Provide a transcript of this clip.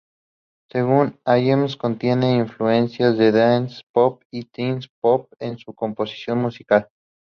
Según Allmusic, contiene influencias de "dance pop" y "teen pop" en su composición musical.